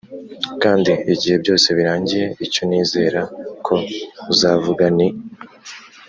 kandi igihe byose birangiye, icyo nizera ko uzavuga ni: